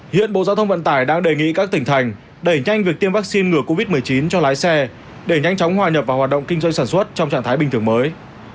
hiện bộ giao thông vận tải đang đề nghị các tỉnh thành đẩy nhanh việc tiêm vaccine ngừa covid một mươi chín cho lái xe để nhanh chóng hòa nhập vào hoạt động kinh doanh sản xuất trong trạng thái bình thường mới